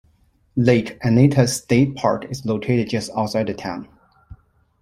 Lake Anita State Park is located just outside the town.